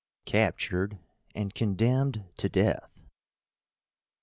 CAPTURED AND CONDEMNED TO DEATH.